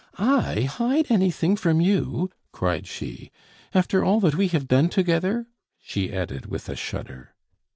"I hide anything from you!" cried she "after all that we have done together!" she added with a shudder.